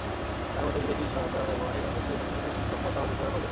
তাঁর মতে, বিদেশি সহায়তা ব্যবহারে অবশ্যই প্রশাসনিক সক্ষমতা অর্জন করা প্রয়োজন।